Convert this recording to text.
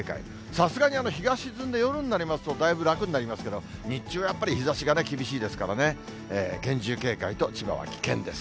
さすがに日が沈んで夜になりますと、だいぶ楽になりますけれども、日中はやっぱり日ざしが厳しいですからね、厳重警戒と千葉は危険です。